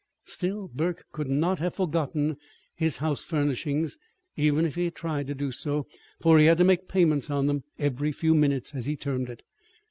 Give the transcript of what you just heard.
Still, Burke could not have forgotten his house furnishings, even if he had tried to do so, for he had to make payments on them "every few minutes," as he termed it.